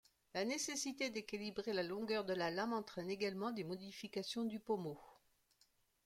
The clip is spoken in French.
La nécessité d’équilibrer la longueur de la lame entraîne également des modifications du pommeau.